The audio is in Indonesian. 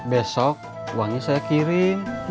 besok uangnya saya kirim